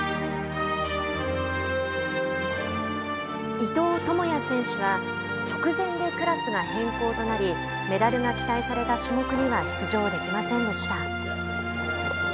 伊藤智也選手は直前でクラスが変更となりメダルが期待された種目には出場できませんでした。